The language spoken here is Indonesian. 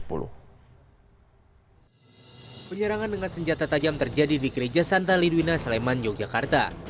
penyerangan dengan senjata tajam terjadi di gereja santa lidwina sleman yogyakarta